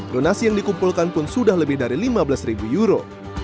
donasi yang dikumpulkan pun sudah lebih dari lima belas ribu euro